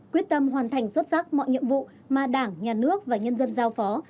quyết tâm hoàn thành xuất sắc mọi nhiệm vụ mà đảng nhà nước và nhân dân giao phó